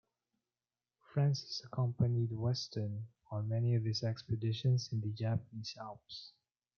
Frances accompanied Weston on many of his expeditions in the Japanese Alps.